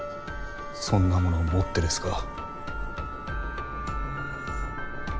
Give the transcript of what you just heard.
そんなものを持ってですか？